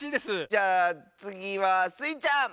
じゃあつぎはスイちゃん！